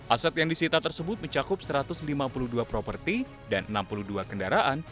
aset yang disita tersebut mencakup satu ratus lima puluh dua properti dan enam puluh dua kendaraan